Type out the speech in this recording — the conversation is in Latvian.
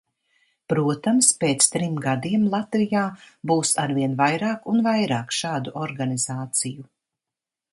Protams, pēc trim gadiem Latvijā būs arvien vairāk un vairāk šādu organizāciju.